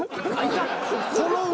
この上。